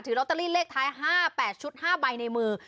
ลอตเตอรี่เลขท้าย๕๘ชุด๕ใบในมือ